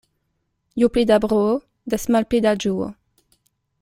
Ju pli da bruo, des malpli da ĝuo.